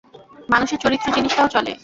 মানুষের চরিত্র জিনিসটাও চলে।